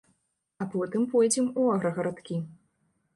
А потым пойдзем у аграгарадкі.